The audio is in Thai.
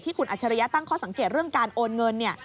คุณอัจฉริยะตั้งข้อสังเกตเรื่องการโอนเงิน